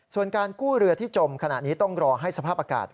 ส่วนการกู้เรือที่จมขณะนี้ต้องรอให้สภาพอากาศ